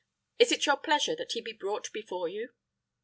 Is it your pleasure that he be brought before you?"